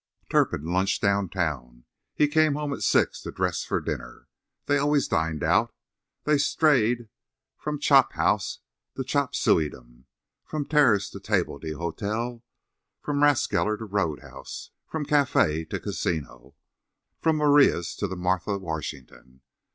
Turpin lunched downtown. He came home at 6 to dress for dinner. They always dined out. They strayed from the chop house to chop sueydom, from terrace to table d'hôte, from rathskeller to roadhouse, from café to casino, from Maria's to the Martha Washington.